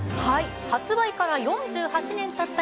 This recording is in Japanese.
発売から４８年たった